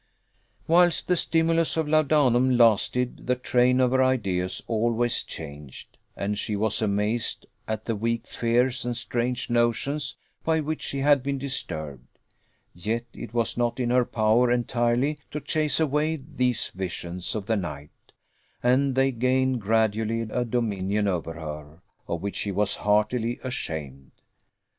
Whilst the stimulus of laudanum lasted, the train of her ideas always changed, and she was amazed at the weak fears and strange notions by which she had been disturbed; yet it was not in her power entirely to chase away these visions of the night, and they gained gradually a dominion over her, of which she was heartily ashamed.